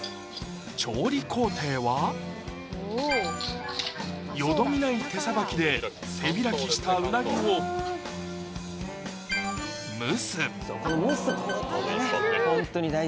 調理工程はよどみない手さばきで背開きしたうなぎを蒸すこの蒸す工程でね